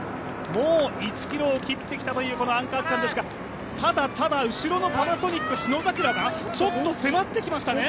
もう１ｋｍを切ってきたというアンカー区間ですけど、ただただ、後ろのパナソニック・信櫻がちょっと迫ってきましたね。